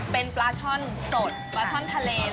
เป็นปลาช่อนสดปลาช่อนทะเล